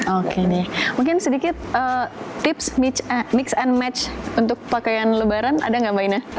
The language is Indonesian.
oke nih mungkin sedikit tips mix and match untuk pakaian lebaran ada nggak mbak ina